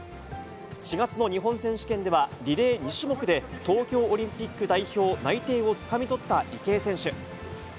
４月の日本選手権では、リレー２種目で東京オリンピック代表内定をつかみ取った池江選手。